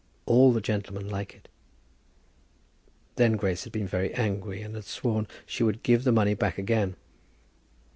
All the gentlemen like it." Then Grace had been very angry, and had sworn that she would give the money back again.